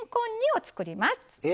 え？